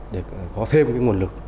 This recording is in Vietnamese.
để có thêm cái nguồn lực